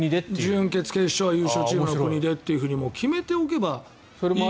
準決、決勝、優勝チームの国でと決めておけば。